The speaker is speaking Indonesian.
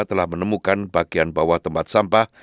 telah menemukan bagian bawah tempat sampah